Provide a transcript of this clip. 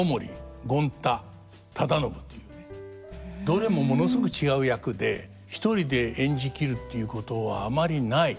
どれもものすごく違う役で一人で演じ切るっていうことはあまりない至難の三役。